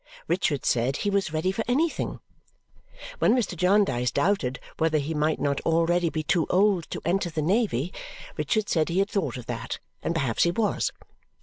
Richard said he was ready for anything. When Mr. Jarndyce doubted whether he might not already be too old to enter the Navy, Richard said he had thought of that, and perhaps he was.